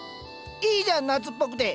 いいじゃん夏っぽくて。